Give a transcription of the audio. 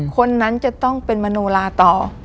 คนนั้นจะต้องเป็นมโนลาต่อ